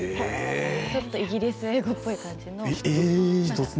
ちょっとイギリス英語っぽい感じの。